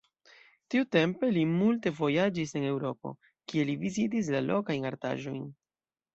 Tiutempe li multe vojaĝis en Eŭropo, kie li vizitis la lokajn artaĵojn.